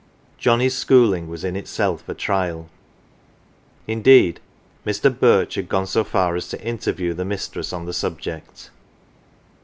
Johnnie's schooling was in itself a trial ; indeed, Mr. Birch had gone so far as to interview the mistress 011 the subject.